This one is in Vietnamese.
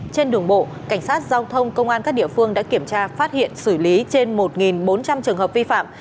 trên đường bộ cảnh sát giao thông công an các địa phương đã kiểm tra phát hiện xử lý trên một bốn trăm linh trường hợp vi phạm